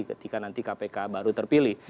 ketika nanti kpk baru terpilih